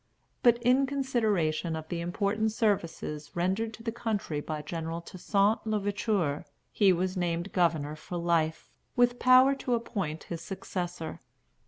But "in consideration of the important services rendered to the country by General Toussaint l'Ouverture," he was named governor for life, with power to appoint his successor.